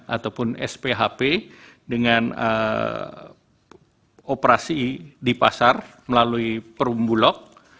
ataupun sphp dengan operasi di pasar melalui perumbulok